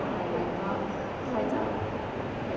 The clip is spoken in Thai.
ใครจะไปแจ๊กวันนี้